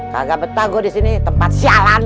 kagak betah gue disini tempat sialan